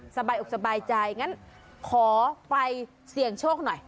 สบายอกสบายใจงั้นขอไปเสี่ยงโชคหน่อย